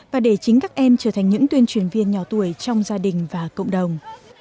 và để chính các em trở thành những tuyên truyền viên nhỏ tuổi trong gia đình và cộng đồng